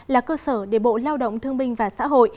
là cơ sở để bộ lao động thương minh và xã hội